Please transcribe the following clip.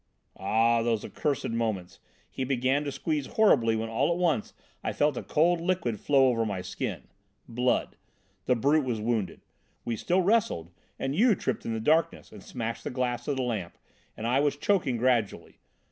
"Oh, those accursed moments. He began to squeeze horribly when all at once I felt a cold liquid flow over my skin blood. The brute was wounded. We still wrestled, and you tripped in the darkness and smashed the glass of the lamp, and I was choking gradually.